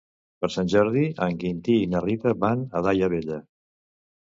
Per Sant Jordi en Quintí i na Rita van a Daia Vella.